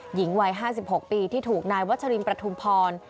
หญิงวัย๕๖ปีที่ถูกนายวัชรินประทุมพร